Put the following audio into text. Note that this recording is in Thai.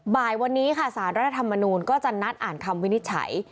บ่ายวันนี้ค่ะสารรัฐธรรมนูลก็จะนัดอ่านคำวินิจฉัย